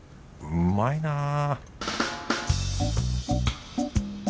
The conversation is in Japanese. うまいな